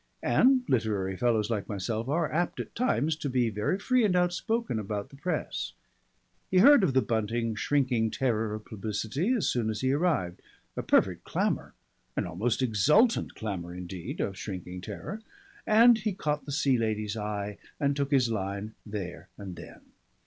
And literary fellows like myself are apt at times to be very free and outspoken about the press. He heard of the Buntings' shrinking terror of publicity as soon as he arrived, a perfect clamour an almost exultant clamour indeed, of shrinking terror, and he caught the Sea Lady's eye and took his line there and then.